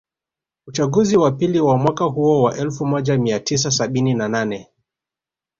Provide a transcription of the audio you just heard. Uchaguzi wa pili wa mwaka huo wa elfu moja mia tisa sabini na nane